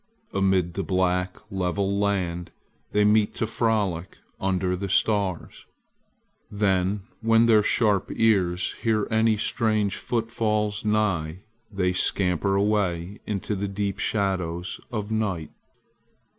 Amid the black level land they meet to frolic under the stars. Then when their sharp ears hear any strange footfalls nigh they scamper away into the deep shadows of night.